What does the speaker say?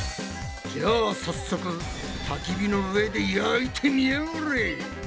じゃあ早速たき火の上で焼いてみやがれ！